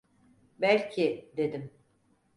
"Belki…" dedim…